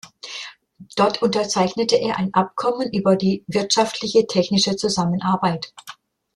Dort unterzeichnete er ein Abkommen über die wirtschaftliche technische Zusammenarbeit.